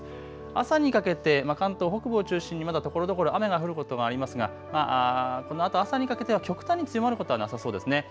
朝にかけて関東北部を中心にまだところどころ雨が降ることがありますがこのあと朝にかけては極端に強まることはなさそうですね。